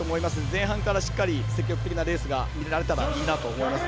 前半からしっかり積極的なレースが見られたらいいなと思います。